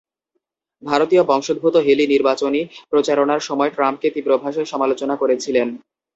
ভারতীয় বংশোদ্ভূত হেলি নির্বাচনী প্রচারণার সময় ট্রাম্পকে তীব্র ভাষায় সমালোচনা করেছিলেন।